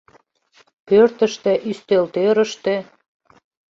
Пӧртыштӧ, ӱстелтӧрыштӧ.